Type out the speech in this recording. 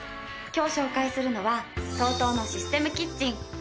今日紹介するのはＴＯＴＯのシステムキッチンＴＨＥＣＲＡＳＳＯよ。